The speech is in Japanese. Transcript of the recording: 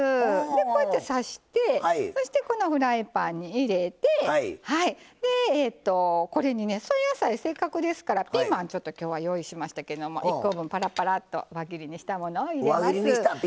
でこうやって刺してそしてこのフライパンに入れてこれにね添え野菜せっかくですからピーマンちょっと今日は用意しましたけども１コ分ぱらぱらっと輪切りにしたものを入れます。